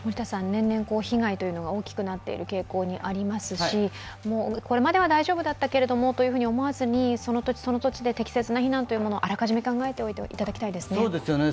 年々被害が大きくなっている傾向にありますしこれまでは大丈夫だったと思わずにその土地、その土地で適切な避難をあらかじめ考えておいていただきたいですね。